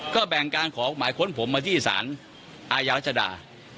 ก็แบ่งการขอหมายค้นผมมาที่ศาลอาญาธุรกิจกลาง